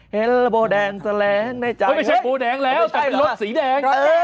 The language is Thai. เฮลโลโบแดงแสลงไม่ใช่ปูแดงแล้วแต่รถสีแดง